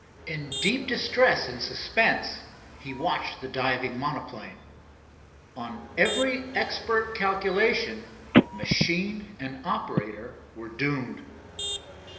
In deep distress and suspense he watched the diving monoplane. On every expert calculation, machine and operator were doomed.